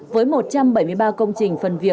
với một trăm bảy mươi ba công trình phần việc